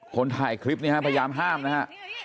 คนถ่ายคลิปเนี่ยฮะพยายามห้ามนะฮะ